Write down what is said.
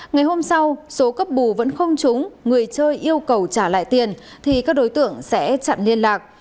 ngày hôm sau số cấp bù vẫn không trúng người chơi yêu cầu trả lại tiền thì các đối tượng sẽ chặn liên lạc